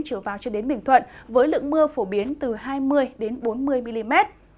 trở vào cho đến bình thuận với lượng mưa phổ biến từ hai mươi bốn mươi mm